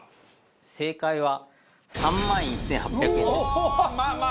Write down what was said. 正解は３万１８００円です。ああ！